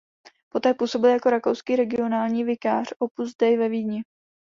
Poté působil jako rakouský regionální vikář Opus Dei ve Vídni.